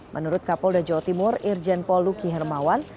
menurut kapol da jawa timur irjen poluki hermawan